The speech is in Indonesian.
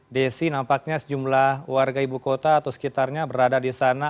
desi nampaknya sejumlah warga ibu kota atau sekitarnya berada di sana